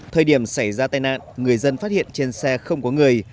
thời điểm xảy ra tai nạn người dân phát hiện trên xe không có người